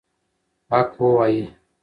حق ووایئ.